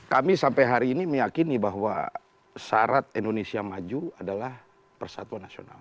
kami sampai hari ini meyakini bahwa syarat indonesia maju adalah persatuan nasional